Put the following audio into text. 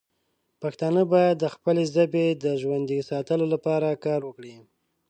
پښتانه باید د خپلې ژبې د ژوندی ساتلو لپاره کار وکړي.